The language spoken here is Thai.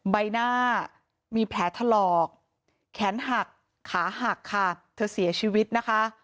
ใบหน้ามีแผลถลอกแขนหักขาหักค่ะเธอเสียชีวิตนะคะ